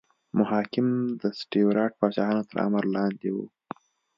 محاکم د سټیورات پاچاهانو تر امر لاندې وو.